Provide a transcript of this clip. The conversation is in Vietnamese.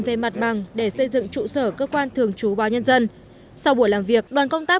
về mặt bằng để xây dựng trụ sở cơ quan thường trú báo nhân dân sau buổi làm việc đoàn công tác